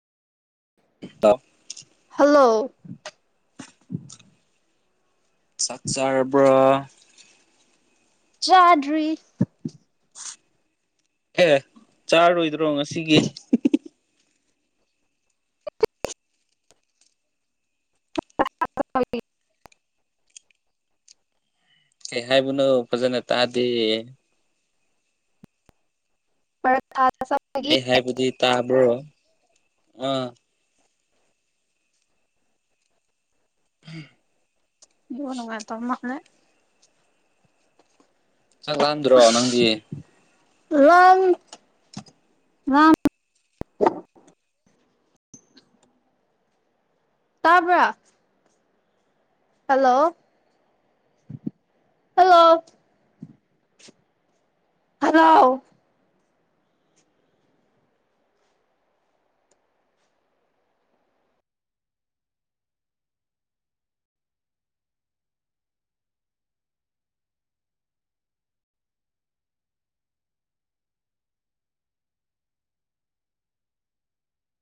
[unintelligible] hello ꯆꯥꯛ ꯆꯥꯔ ꯕ꯭ꯔ ꯆꯥꯗꯔꯤ ꯑꯦ ꯆꯥꯔꯣꯏꯗ꯭ꯔꯣ ꯉꯁꯤꯒꯤ [inaudible] ꯀꯩ ꯍꯥꯏꯕꯅꯣ ꯐꯖꯅ ꯇꯥꯗꯦ ꯄꯔꯥꯊꯥ ꯆꯥꯁꯤ ꯑꯩ ꯍꯥꯏꯕꯗꯤ ꯇꯥꯕ꯭ꯔꯣ ꯑꯥ ꯅꯦꯠꯋꯥꯔꯛ ꯅꯨꯉꯥꯏꯇꯕ ꯃꯜꯂꯦ ꯆꯥꯛ ꯂꯥꯝꯗꯔꯣ ꯅꯪꯗꯤ [unintelligible] [inaudible] ꯇꯥꯕ꯭ꯔ ꯍꯜꯂꯣ ꯍꯜꯂꯣ ꯍꯂꯣ